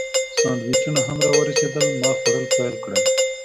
سانډویچونه هم راورسېدل، ما خوړل پیل کړل.